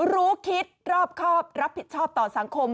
รู้คิดรอบครอบรับผิดชอบต่อสังคม